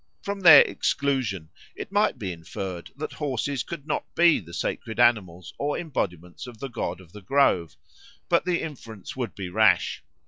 From their exclusion it might be inferred that horses could not be the sacred animals or embodiments of the god of the grove. But the inference would be rash.